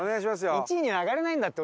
１位には上がれないんだって